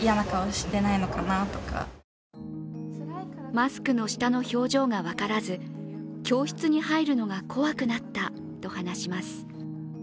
マスクの下の表情が分からず、教室に入るのが怖くなったと話します。